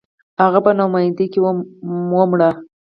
• هغه په ناامیدۍ کې ومړ.